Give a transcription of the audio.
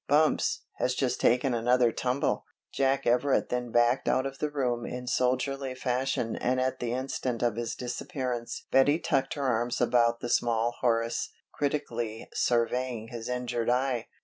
'Bumps' has just taken another tumble." Jack Everett then backed out of the room in soldierly fashion and at the instant of his disappearance Betty tucked her arms about the small Horace, critically surveying his injured eye.